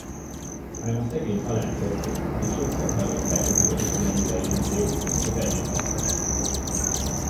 Hanem a szegény halászok, akik sokszor hallották az igazi fülemüle énekét, csak legyintettek.